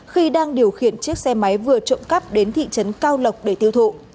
khi đang điều khiển chiếc xe máy vừa trộm cắp đến thị trấn cao lộc để tiêu thụ